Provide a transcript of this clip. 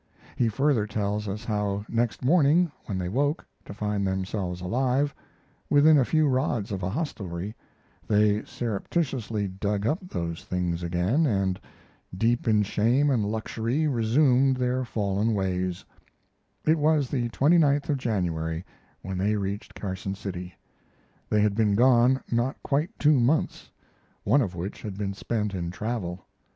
He further tells us how next morning, when they woke to find themselves alive, within a few rods of a hostelry, they surreptitiously dug up those things again and, deep in shame and luxury, resumed their fallen ways: It was the 29th of January when they reached Carson City. They had been gone not quite two months, one of which had been spent in travel.